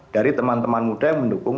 dari teman teman muda yang mendukung